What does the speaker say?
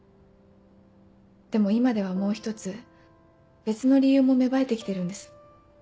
でも今ではもう一つ別の理由も芽生えてきてるんです。